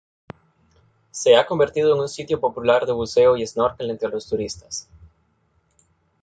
Se ha convertido en un sitio popular de buceo y snorkel entre los turistas.